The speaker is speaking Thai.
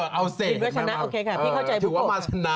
เออเอาเสร็จถือว่ามาชนะ